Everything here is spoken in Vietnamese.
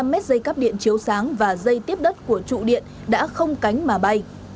năm mét dây cắp điện chiếu sáng và dây tiếp đất của trụ điện đã không cánh mà bay